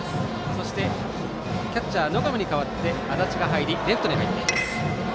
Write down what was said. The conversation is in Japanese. そしてキャッチャー野上に代わって足立が入りレフトに入っています。